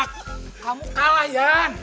kamu kalah yan